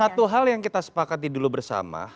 satu hal yang kita sepakati dulu bersama